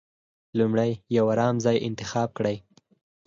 لومړی يو ارام ځای انتخاب کړئ.